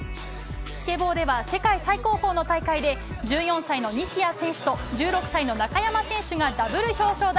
スケボーでは、世界最高峰の大会で、１４歳の西矢選手と、１６歳の中山選手がダブル表彰台。